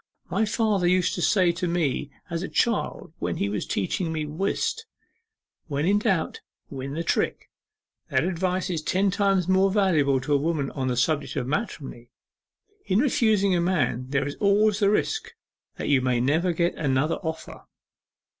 My father used to say to me as a child when he was teaching me whist, "When in doubt win the trick!" That advice is ten times as valuable to a woman on the subject of matrimony. In refusing a man there is always the risk that you may never get another offer.